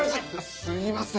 すみません。